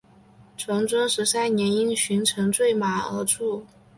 崇祯十三年因巡城坠马而卒。